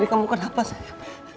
riri kamu kenapa sayang